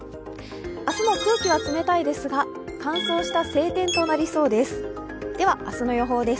明日も空気は冷たいですが乾燥した晴天となりそうです。